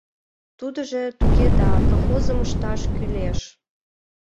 — Тудыжо туге да... колхозым ышташ кӱлеш.